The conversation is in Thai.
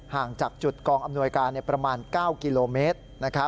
ห่างจากจุดกองอำนวยการประมาณ๙กิโลเมตร